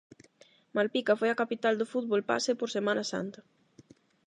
Malpica foi a capital do fútbol base por Semana Santa.